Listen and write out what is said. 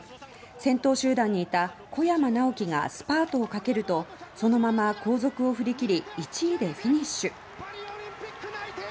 先頭集団にいた小山直城がスパートをかけるとそのまま後続を振り切り１位でフィニッシュ。